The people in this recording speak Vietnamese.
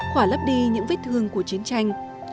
khỏa lấp đi những vết thương của chiến tranh